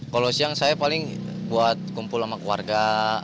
kalau siang saya paling buat kumpul sama keluarga